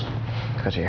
terima kasih ya